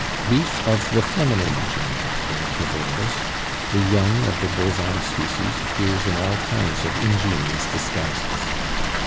Beef of the feminine gender there prevails; the young of the bovine species appears in all kinds of ingenious disguises.